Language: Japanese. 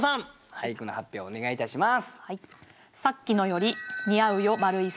俳句の発表をお願いいたします。